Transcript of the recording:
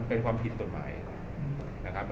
มันเป็นความผิดส่วนหมายละครับ